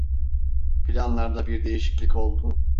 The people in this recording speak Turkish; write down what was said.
Planlarda bir değişiklik oldu.